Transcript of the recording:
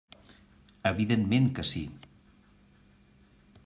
Evidentment que sí.